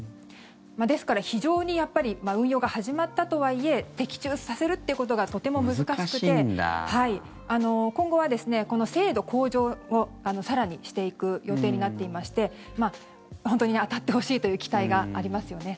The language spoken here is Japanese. ですから、非常にやっぱり運用が始まったとはいえ的中させるっていうことがとても難しくて今後は、この精度向上を更にしていく予定になっていまして本当に当たってほしいという期待がありますよね。